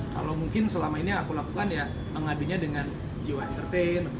kalau mungkin selama ini yang aku lakukan ya mengadunya dengan jiwa entertain